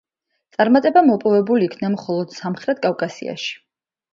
წარმატება მოპოვებულ იქნა მხოლოდ სამხრეთ კავკასიაში.